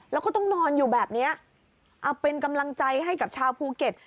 แล้วก็ต้องนอนอยู่แบบเนี้ยเอาเป็นกำลังใจให้กับชาวภูเก็ต